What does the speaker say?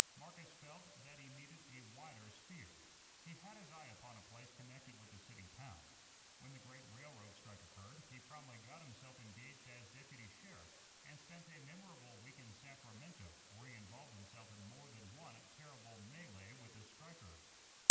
Marcus felt that he needed a wider sphere. He had his eye upon a place connected with the city pound. When the great railroad strike occurred, he promptly got himself engaged as deputy sheriff, and spent a memorable week in Sacramento, where he involved himself in more than one terrible melee with the strikers.